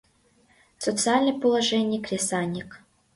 Социальный положений — кресаньык